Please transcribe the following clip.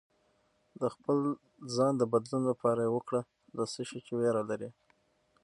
د خپل ځان د بدلون لپاره وګره له څه شي ویره لرې